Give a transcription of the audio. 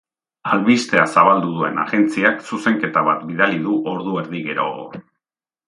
Albistea zabaldu duen agentziak zuzenketa bat bidali du ordu erdi geroago.